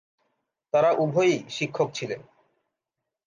তারা উভয়ই শিক্ষক ছিলেন।